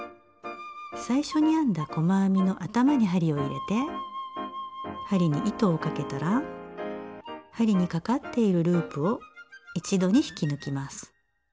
最初に編んだ細編みの頭に針を入れて針に糸をかけたら針にかかっているループを一度に引き抜きます。